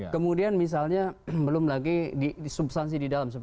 kemudian misalnya belum lagi disubstansi di dalam